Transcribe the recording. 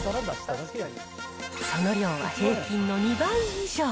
その量は平均の２倍以上。